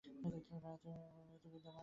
ভ্রাতৃভাব পূর্ব হইতেই বিদ্যমান রহিয়াছে।